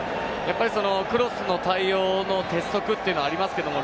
クロスの対応の鉄則というのはありますけれど。